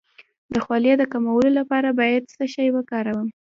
د خولې د کمولو لپاره باید څه شی وکاروم؟